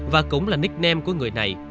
và cũng là nickname của người này